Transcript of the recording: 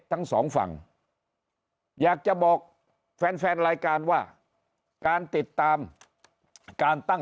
ทั้งสองฝั่งอยากจะบอกแฟนแฟนรายการว่าการติดตามการตั้ง